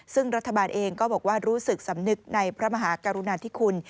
ซึ่งรัฐบาลเองก็บอกว่ารู้สึกสำนึกในพระมหากรุณาธิคุณ